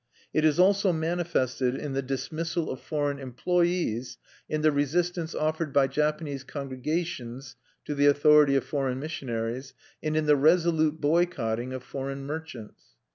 It is also manifested in the dismissal of foreign employes, in the resistance offered by Japanese congregations to the authority of foreign missionaries, and in the resolute boycotting of foreign merchants.